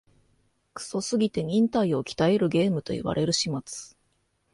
クソすぎて忍耐を鍛えるゲームと言われる始末